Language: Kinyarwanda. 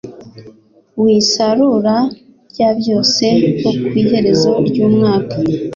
w isarura rya byose wo ku iherezo ry umwaka